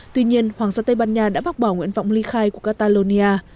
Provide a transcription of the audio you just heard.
tuy nhiên hoàng gia tây ban nha đã bác bỏ nguyện vọng ly khai của catalonia